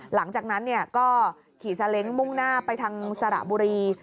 หลังจากนั้นก็ขี่ซาเล้งมุ่งหน้าไปทางสระบุรี